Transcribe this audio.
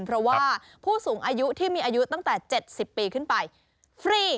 เพราะว่าผู้สูงอายุที่มีอายุตั้งแต่๗๐ปีขึ้นไปฟรี